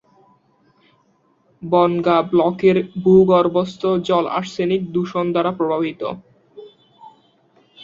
বনগাঁ ব্লকের ভূগর্ভস্থ জল আর্সেনিক দূষণ দ্বারা প্রভাবিত।